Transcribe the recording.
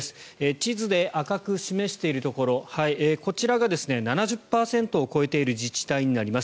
地図で赤く示しているところこちらが７０％を超えている自治体になります。